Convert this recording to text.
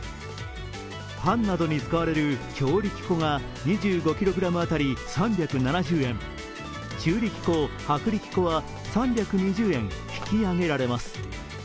パンなどに使われる強力粉が２５ｋｇ当たり３７０円、中力粉・薄力粉は３２０円引き上げられます。